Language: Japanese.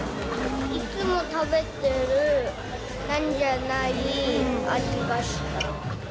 いつも食べてるナンじゃない味がした。